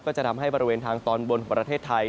จะทำให้บริเวณทางตอนบนของประเทศไทย